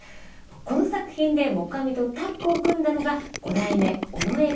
この作品で黙阿弥とタッグを組んだのが五代目尾上菊五郎です。